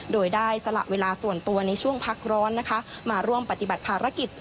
โดยได้สละเวลาส่วนตัวในช่วงพักร้อนนะคะมาร่วมปฏิบัติภารกิจ